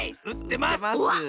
うってます。